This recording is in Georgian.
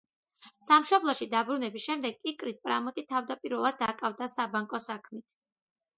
სამშობლოში დაბრუნების შემდეგ კიკრიტ პრამოტი თავდაპირველად დაკავდა საბანკო საქმით.